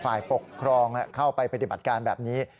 ฝ่ายปกครองเข้าไปปฏิบัติการแบบนี้